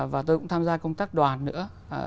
và tôi cũng tham gia công tác đoàn nữa